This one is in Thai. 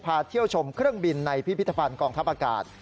เที่ยวชมเครื่องบินในพิพิธภัณฑ์กองทัพอากาศ